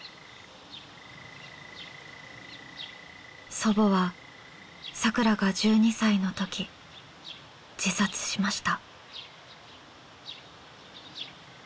祖母はさくらが１２歳の時自殺しました。